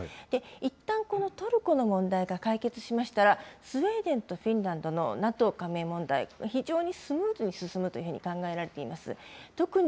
いったんこのトルコの問題が解決しましたら、スウェーデンとフィンランドのＮＡＴＯ加盟問題、非常にスムーズに進むというふうに考えられています。